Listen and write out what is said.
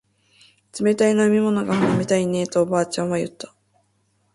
冷たい飲み物が飲みたいねえとおばあちゃんは言った